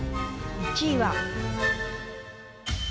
１位は。